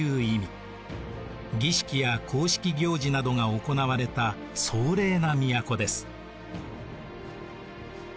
儀式や公式行事などが行われた壮麗な都です。